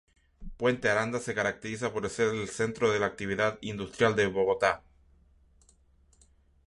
Puente Aranda se caracteriza por ser el centro de la actividad industrial de Bogotá.